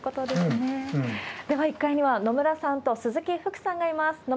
では、１階には野村さんと鈴木福さんがいます。